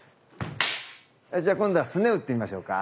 じゃあ今度はスネ打ってみましょうか。